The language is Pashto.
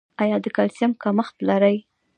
ایا د کلسیم کمښت لرئ؟